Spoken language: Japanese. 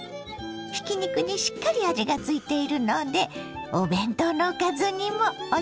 ひき肉にしっかり味がついているのでお弁当のおかずにもおすすめです。